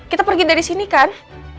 kita pergi dari sini kan